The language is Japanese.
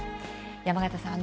山形さん